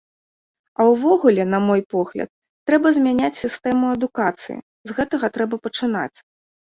А ўвогуле, на мой погляд, трэба змяняць сістэму адукацыі, з гэтага трэба пачынаць.